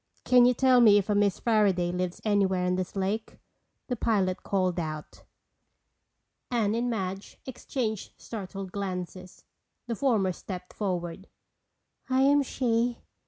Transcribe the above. "Can you tell me if a Miss Fairaday lives anywhere on this lake?" the pilot called out. Anne and Madge exchanged startled glances. The former stepped forward. "I am she."